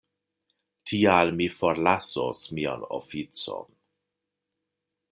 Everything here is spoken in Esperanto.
Tial mi forlasos mian oficon.